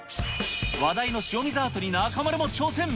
話題の塩水アートに中丸も挑戦。